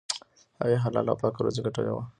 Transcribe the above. هغې حلاله او پاکه روزي ګټلې وه.